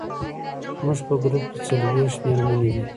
زموږ په ګروپ کې څلوېښت مېرمنې دي.